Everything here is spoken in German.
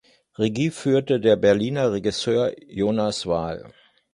Regie führte der Berliner Regisseur Jonas Vahl.